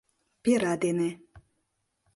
Пера дене.